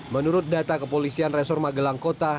menurut data kepolisian resor magelang kota